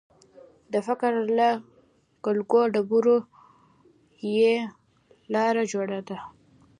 د فقر له کلکو ډبرو یې لاره جوړه کړه